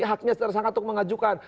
haknya tersangka untuk mengajukan